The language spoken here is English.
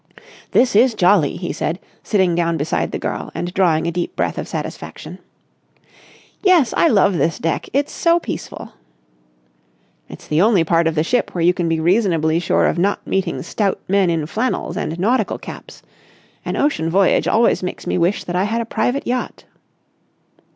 "This is jolly," he said sitting down beside the girl and drawing a deep breath of satisfaction. "Yes, I love this deck. It's so peaceful." "It's the only part of the ship where you can be reasonably sure of not meeting stout men in flannels and nautical caps. An ocean voyage always makes me wish that I had a private yacht."